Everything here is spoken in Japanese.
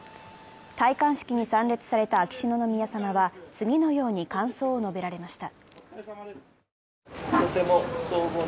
戴冠式に参列された秋篠宮さまは次のように感想を述べられました。